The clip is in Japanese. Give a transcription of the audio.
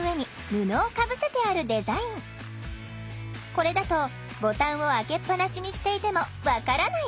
これだとボタンを開けっぱなしにしていても分からない。